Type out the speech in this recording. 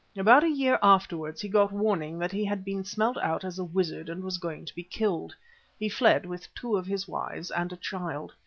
About a year afterwards he got warning that he had been smelt out as a wizard and was going to be killed. He fled with two of his wives and a child.